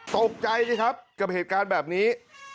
ตกใจสิครับกับเหตุการณ์แบบนี้